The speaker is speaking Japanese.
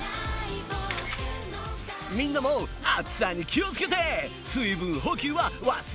みんなも暑さに気を付けて水分補給は忘れずに！